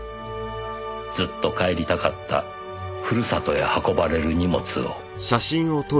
ずっと帰りたかったふるさとへ運ばれる荷物を。